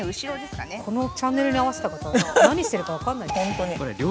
今からこのチャンネルに合わせた方は何してるか分かんない。